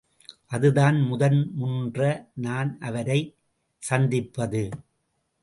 அதுதான் முதன் முன்ற நான் அவரைச் சந்திப்பது.